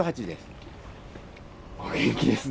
お元気ですね。